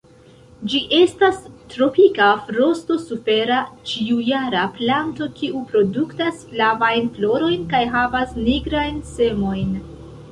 Ĝi estas tropika, frosto-sufera ĉiujara planto kiu produktas flavajn florojn kaj havas nigrajn semojn.